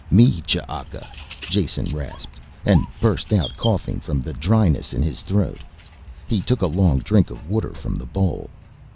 "Me Ch'aka," Jason rasped, and burst out coughing from the dryness in his throat. He took a long drink of water from the bowl.